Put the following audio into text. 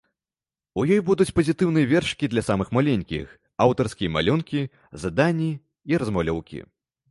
У ёй будуць пазітыўныя вершыкі для самых маленькіх, аўтарскія малюнкі, заданні і размалёўкі.